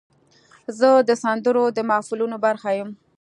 زه د سندرو د محفلونو برخه یم.